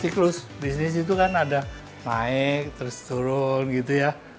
siklus bisnis itu kan ada naik terus turun gitu ya